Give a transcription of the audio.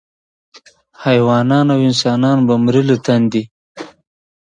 حیوانان او انسانان به مري له تندي